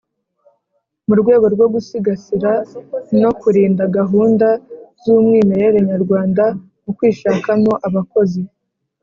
Mu rwego rwo gusigasira no kurinda gahunda zumwimerere nyarwanda mu kwishakamo abakozi